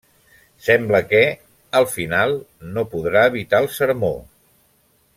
Sembla que, al final, no podrà evitar el sermó.